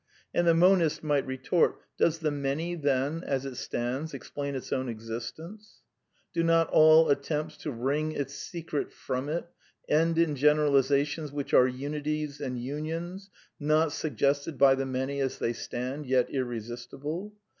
And the monist might retort :^^ Does the Many, then, as it stands, explain its own existence ? Do not all attempts to wring its secret from it end in generalizations which are unions and xmities, not suggested by the Many as they stand, yet irresistible